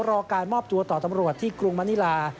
รอการมอบตัวต่อตำรวจที่กรุงมณิลา